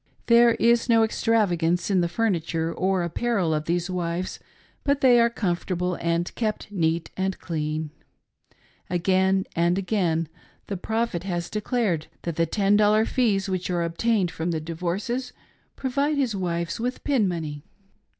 There is no extravagance in the furniture or apparel of these wives, but they are comfortable and are kept neat and clean. Again and again, the Prophet 'has declared that the ten dollar fees which are obtained from the divorces provide his wives With pin money.